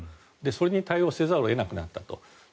それに対応せざるを得なくなった。